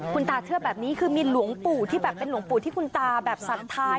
คุณตาเชื้อแบบนี้คือมีหลวงปู่ที่อยู่แบบสัตว์ทาย